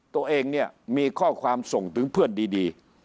ตัวเองเนี่ยมีข้อความส่งถึงเพื่อนดี